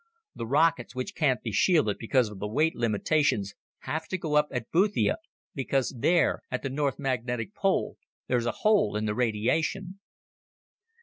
The rockets, which can't be shielded because of the weight limitations, have to go up at Boothia because there, at the North Magnetic Pole, there's a hole in the radiation."